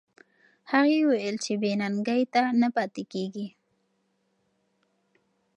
هغې وویل چې بې ننګۍ ته نه پاتې کېږي.